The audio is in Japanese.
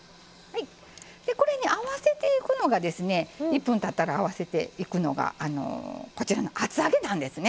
これに合わせていくのがですね１分たったら合わせていくのがこちらの厚揚げなんですね。